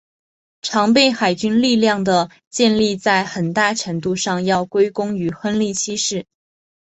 常备海军力量的建立在很大程度上要归功于亨利七世。